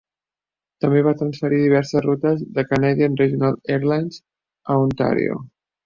També va transferir diverses rutes de Canadian Regional Airlines a Ontario.